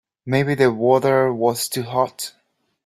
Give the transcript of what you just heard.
Maybe the water was too hot.